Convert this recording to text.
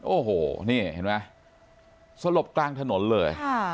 โอ้โหนี่เห็นไหมสลบกลางถนนเลย